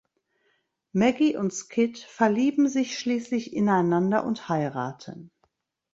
Maggie und Skid verlieben sich schließlich ineinander und heiraten.